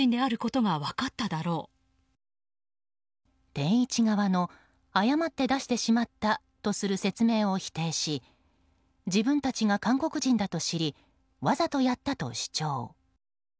天一側の誤って出してしまったとする説明を否定し自分たちが韓国人だと知りわざとやったと主張。